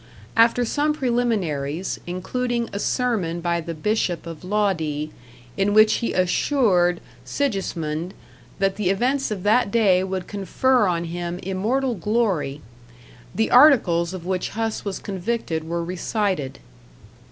After some preliminaries, including a sermon by the Bishop of Lodi, in which he assured Sigismund that the events of that day would confer on him immortal glory, the articles of which Huss was convicted were recited.